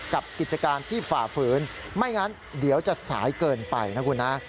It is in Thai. กิจการที่ฝ่าฝืนไม่งั้นเดี๋ยวจะสายเกินไปนะคุณนะ